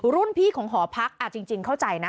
รุ่นพี่ของหอพักจริงเข้าใจนะ